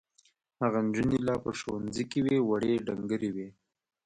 هغه نجونې لا په ښوونځي کې وې وړې ډنګرې وې.